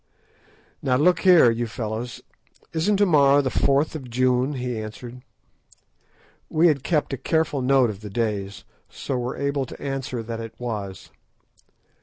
"Now look here, you fellows, isn't to morrow the 4th of June?" he said. We had kept a careful note of the days, so were able to answer that it was.